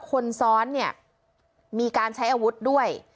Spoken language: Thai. คนซ้อนมีการใช้อาวุธด้วย